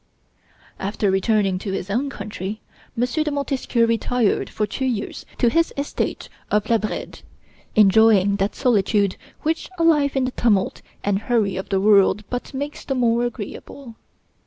After returning to his own country, M. de Montesquieu retired for two years to his estate of La Brède, enjoying that solitude which a life in the tumult and hurry of the world but makes the more agreeable.